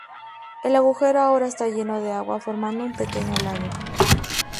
El agujero ahora está lleno de agua formando un pequeño lago.